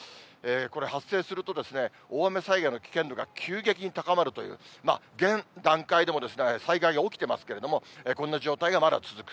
これ、発生すると、大雨災害の危険度が急激に高まるという、現段階でも災害が起きてますけれども、こんな状態がまだ続く。